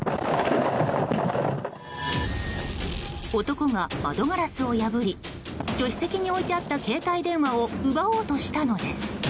男が窓ガラスを破り助手席に置いてあった携帯電話を奪おうとしたのです。